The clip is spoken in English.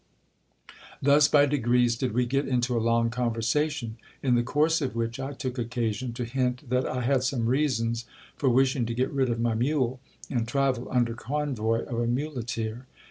Thus by degrees did we get into a long conversation, in the course of which I took occasion to hint that I had some reasons for wishing to get rid of my mule, and travel under convoy of a muleteer.